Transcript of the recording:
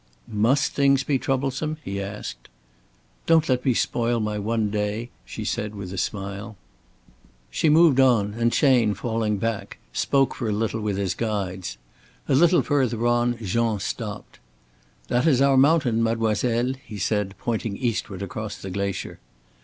"Must things be troublesome?" he asked. "Don't let me spoil my one day," she said, with a smile. She moved on, and Chayne, falling back, spoke for a little with his guides. A little further on Jean stopped. "That is our mountain, mademoiselle," he said, pointing eastward across the glacier.